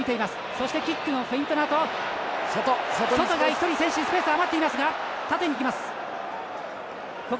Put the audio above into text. そしてキックのフェイントのあと外に１人、選手スペース余っていますが縦に行きます。